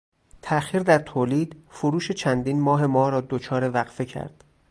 تاخیر در تولید، فروش چندین ماه مارا دچار وقفه کرد.